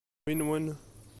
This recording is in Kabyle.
Wi nwen?